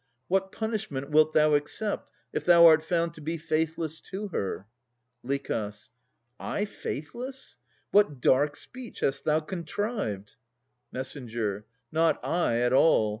What punishment Wilt thou accept, if thou art found to be Faithless to her? LICH. I faithless! What dark speech Hast thou contrived? MESS. Not I at all.